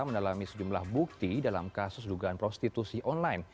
mendalami sejumlah bukti dalam kasus dugaan prostitusi online